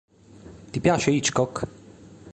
Ti piace Hitchcock?